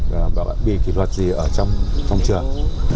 và bị kỷ thuật gì ở trong trường